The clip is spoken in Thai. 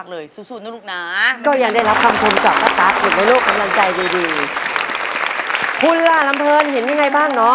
ขอบคุณค่ะ